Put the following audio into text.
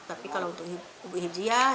tapi kalau untuk ibu irjia